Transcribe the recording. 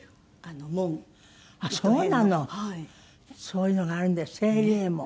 そういうのがあるんだ清麗紋。